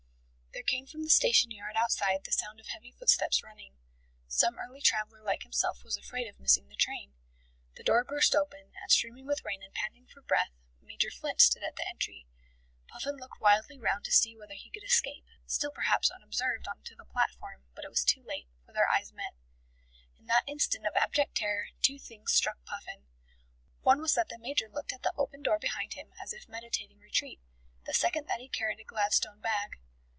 There came from the station yard outside the sound of heavy footsteps running. Some early traveller like himself was afraid of missing the train. The door burst open, and, streaming with rain and panting for breath, Major Flint stood at the entry. Puffin looked wildly round to see whether he could escape, still perhaps unobserved, on to the platform, but it was too late, for their eyes met. In that instant of abject terror, two things struck Puffin. One was that the Major looked at the open door behind him as if meditating retreat, the second that he carried a Gladstone bag.